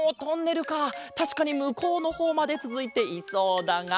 たしかにむこうのほうまでつづいていそうだが。